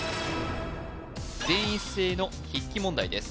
全員一斉の筆記問題です